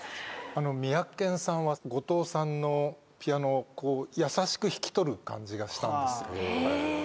みやけんさんは後藤さんのピアノを優しくひき取る感じがしたんです。